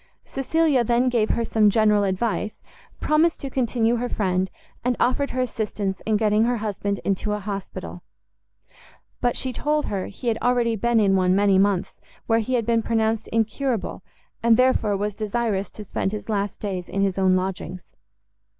Cecilia then gave her some general advice, promised to continue her friend, and offered her assistance in getting her husband into an hospital; but she told her he had already been in one many months, where he had been pronounced incurable, and therefore was desirous to spend his last days in his own lodgings.